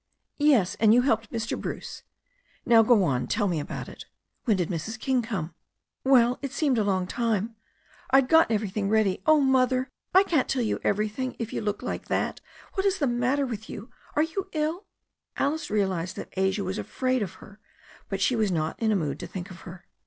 "Yes, and you helped Mr. Bruce. Now go on, tell me about it. When did Mrs. King come?" "Well, it seemed a long time: I'd got everything ready. Oh, Mother, I can't tell you anything if you look like that. What is the matter with you? Are you ill?" Alice realized that Asia was afraid of her, but she was not in a mood to think of her.